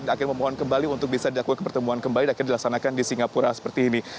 akhirnya memohon kembali untuk bisa dilakukan pertemuan kembali dan akhirnya dilaksanakan di singapura seperti ini